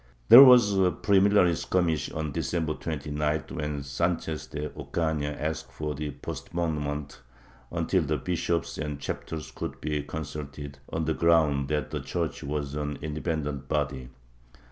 There was a prelimi nary skirmish on December 29th, when Sc4nchez de Ocana asked for a postponement until the bishops and chapters could be con sulted, on the ground that the Church was an independent body.